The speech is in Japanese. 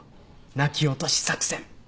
泣き落とし作戦。